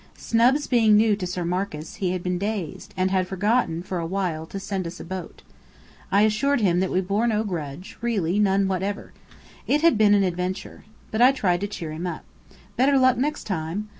Snubs being new to Sir Marcus, he had been dazed, and had forgotten for a while to send us a boat. I assured him that we bore no grudge, really none whatever. It had been quite an adventure. And I tried to cheer him up. Better luck next time!